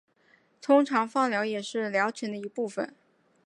通常放疗也是疗程的一部分。